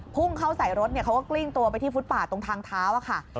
พุ่งเข้าใส่รถเขาก็กลิ้งตัวไปที่ฟุตป่าตรงทางเท้าค่ะ